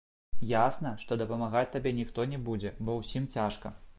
Ясна, што дапамагаць табе ніхто не будзе, бо ўсім цяжка.